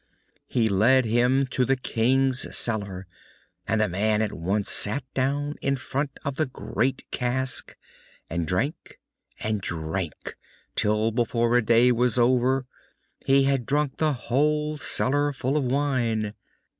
He led him to the King's cellar, and the man at once sat down in front of the great cask, and drank and drank till before a day was over he had drunk the whole cellarful of wine.